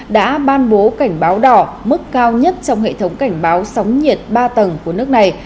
đã ban bố cảnh báo đỏ mức cao nhất trong hệ thống cảnh báo sóng nhiệt ba tầng của nước này